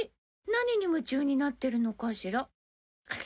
何に夢中になってるのかしら。